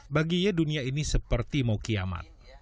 bagi ye dunia ini seperti mau kiamat